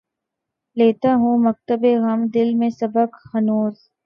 لیتا ہوں مکتبِ غمِ دل میں سبق ہنوز